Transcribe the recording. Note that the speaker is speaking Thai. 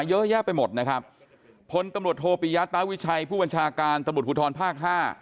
เยอะแยะไปหมดนะครับพลตำรวจโทปิยาตาวิชัยผู้บัญชาการตำรวจภูทรภาคห้า